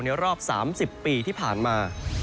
รอบ๓๐ปีที่ผ่านมา